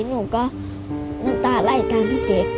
หนูก็น้ำตาไหลตามพี่เจ๊